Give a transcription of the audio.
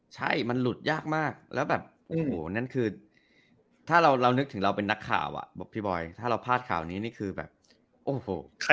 ใช่มันหลุดยากมากแล้วแบบโอ้โหนั่นคือถ้าเรานึกถึงเราเป็นนักข่าวอ่ะบอกพี่บอยถ้าเราพลาดข่าวนี้นี่คือแบบโอ้โห